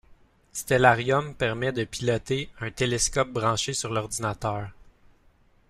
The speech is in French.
Stellarium permet de piloter un télescope branché sur l'ordinateur.